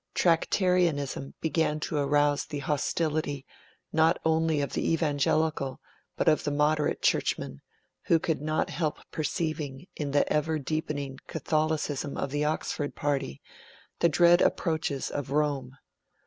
Tractarianism began to arouse the hostility, not only of the evangelical, but of the moderate churchmen, who could not help perceiving in the ever deepening, 'catholicism' of the Oxford party, the dread approaches of Rome.